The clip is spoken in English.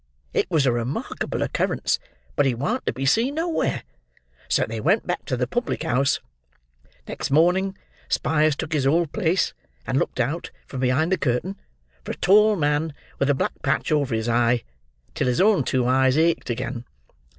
It was a remarkable occurrence, but he warn't to be seen nowhere, so they went back to the public house. Next morning, Spyers took his old place, and looked out, from behind the curtain, for a tall man with a black patch over his eye, till his own two eyes ached again.